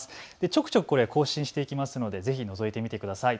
ちょくちょく更新していくのでぜひのぞいてみてください。